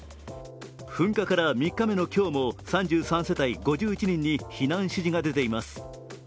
噴火から３日目の今日も３３世帯５１人に避難指示が出ています。